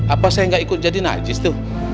apa saya gak ikut jadi najis tuh